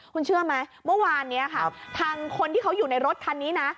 คุณเชื่อไหมเมื่อวานนี้ค่ะทางคนที่เขาอยู่ในรถคันนี้นะ